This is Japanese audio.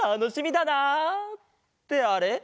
ってあれ？